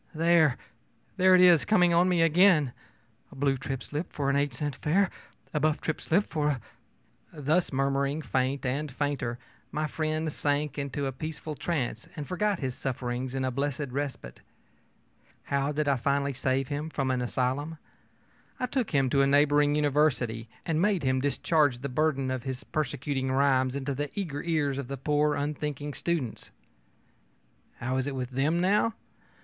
There there it is coming on me again: a blue trip slip for an eight cent fare, a buff trip slip for a ö Thus murmuring faint and fainter, my friend sank into a peaceful trance and forgot his sufferings in a blessed respite. How did I finally save him from an asylum? I took him to a neighboring university and made him discharge the burden of his persecuting rhymes into the eager ears of the poor, unthinking students. How is it with them, now?